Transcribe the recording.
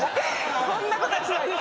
そんなことはしないです。